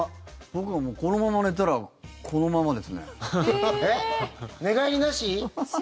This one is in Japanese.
僕はこのまま寝たらこのままですね。